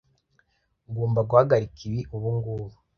Ugomba guhagarika ibi ubungubu.